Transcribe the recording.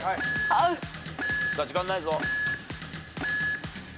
時間ないぞ。